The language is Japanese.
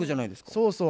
そうそう。